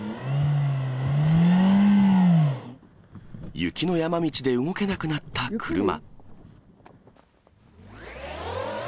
雪の山道で動けなくなった車。